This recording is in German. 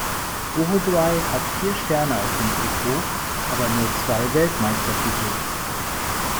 Uruguay hat vier Sterne auf dem Trikot, aber nur zwei Weltmeistertitel.